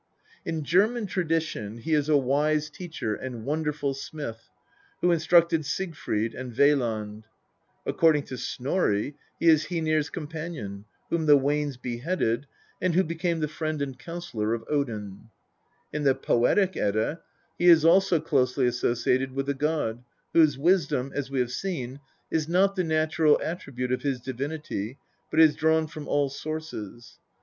In German tradition he is a wise teacher and wonderful smith, who instructed Siegfried and \Veland; according to Snorri, he is Hcenir's companion, whom the Wanes beheaded, and who became the friend and counsellor of Odin ; in the Poetic Edda he is also closely associated with the god, whose wisdom, as we have seen, is not the natural attribute of his divinity, but is drawn from all sources.